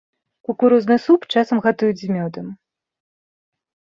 Кукурузны суп часам гатуюць з мёдам.